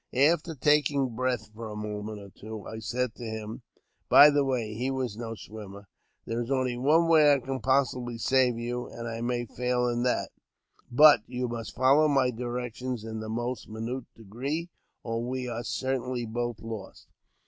After taking breath for a moment or two, I said to him (by the way, he was no swimmer), " There is only one way I can possibly save you, and I may fail in that ; but you must follow my directions in the most minute degree, or we are certainly both lost."